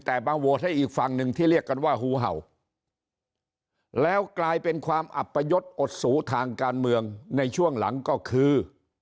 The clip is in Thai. แต่มาโหวตให้อีกฝั่งหนึ่งที่เรียกกันว่าฮูเห่าแล้วกลายเป็นความอัปยศอดสูทางการเมืองในช่วงหลังก็คือ